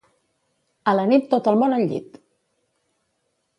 A la nit tot el món al llit!